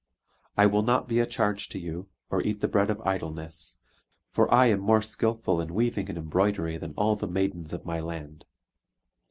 I will not be a charge to you, or eat the bread of idleness; for I am more skilful in weaving and embroidery than all the maidens of my land."